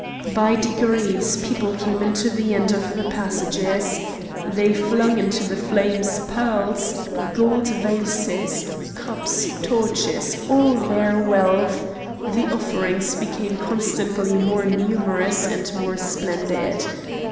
By degrees people came into the end of the passages; they flung into the flames pearls, gold vases, cups, torches, all their wealth; the offerings became constantly more numerous and more splendid.